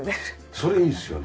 それいいですよね。